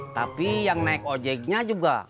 tapi yang naik ojeknya juga